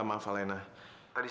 aku mau berhenti